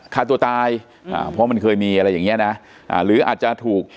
คาดตัวตายเพราะมันเคยมีอะไรอย่างนี้นะหรืออาจจะถูก